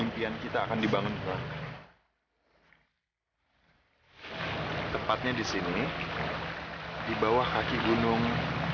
pasti dia kecapean karena kejadian belakangan ini